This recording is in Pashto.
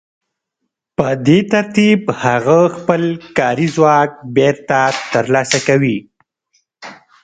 په دې ترتیب هغه خپل کاري ځواک بېرته ترلاسه کوي